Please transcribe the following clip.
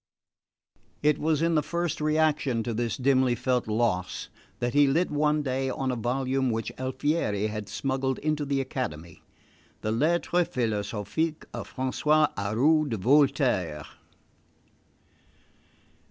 It was in the first reaction from this dimly felt loss that he lit one day on a volume which Alfieri had smuggled into the Academy the Lettres Philosophiques of Francois Arouet de Voltaire.